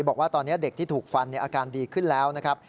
บอกว่าตอนนี้เด็กที่ถูกฟันอาการดีขึ้นแล้วนะครับ